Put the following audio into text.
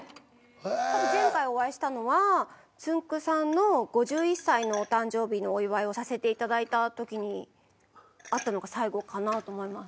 前回お会いしたのはつんく♂さんの５１歳のお誕生日のお祝いをさせていただいたときに会ったのが最後かなと思います。